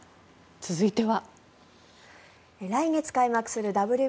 続いては。